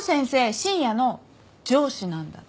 深夜の上司なんだって。